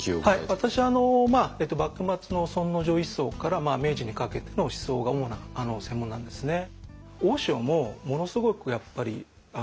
私あの幕末の尊王攘夷思想から明治にかけての思想が主な専門なんですね。